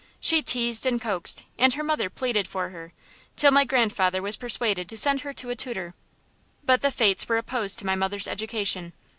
She teased and coaxed, and her mother pleaded for her, till my grandfather was persuaded to send her to a tutor. But the fates were opposed to my mother's education.